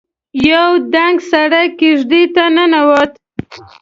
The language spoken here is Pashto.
يو دنګ سړی کېږدۍ ته ننوت.